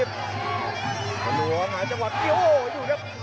ผลวงหาจังหวัดโอ้ยอยู่ครับ